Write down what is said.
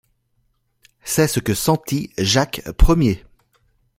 C’est ce que sentit Jacques Ier.